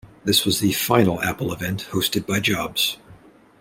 This was the final Apple event hosted by Jobs.